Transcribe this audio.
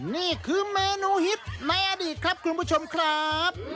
นี่คือเมนูฮิตในอดีตครับคุณผู้ชมครับ